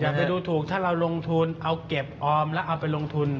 ไปดูถูกถ้าเราลงทุนเอาเก็บออมแล้วเอาไปลงทุน